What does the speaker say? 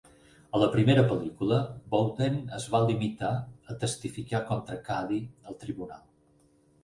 A la primera pel·lícula, Bowden es va limitar a testificar contra Cady al tribunal.